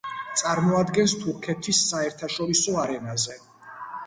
წარმოადგენს თურქეთს საერთაშორისო არენაზე.